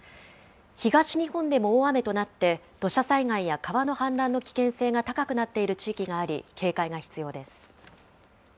東日本でも大雨となって、土砂災害や川の氾濫の危険性が高くなっている地域があり、警戒が必要です。